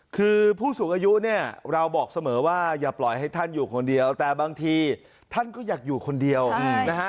คือผู้สูงอายุเนี่ยเราบอกเสมอว่าอย่าปล่อยให้ท่านอยู่คนเดียวแต่บางทีท่านก็อยากอยู่คนเดียวนะฮะ